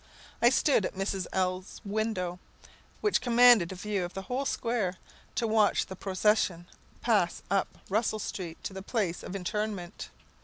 I stood at Mrs. L 's window, which commanded a view of the whole square, to watch the procession pass up Russell street to the place of interment.